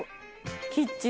キッチンか。